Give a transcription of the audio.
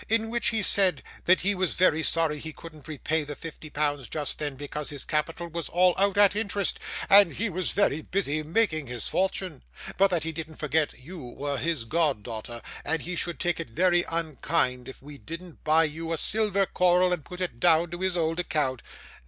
In which he said that he was very sorry he couldn't repay the fifty pounds just then, because his capital was all out at interest, and he was very busy making his fortune, but that he didn't forget you were his god daughter, and he should take it very unkind if we didn't buy you a silver coral and put it down to his old account?